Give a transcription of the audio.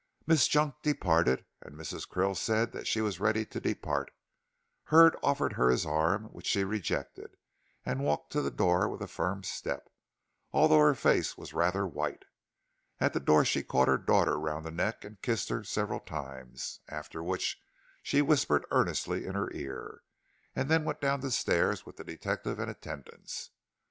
Miss Junk departed, and Mrs. Krill said that she was ready to depart. Hurd offered her his arm, which she rejected, and walked to the door with a firm step, although her face was rather white. At the door she caught her daughter round the neck and kissed her several times, after which she whispered earnestly in her ear, and then went down the stairs with the detective in attendance.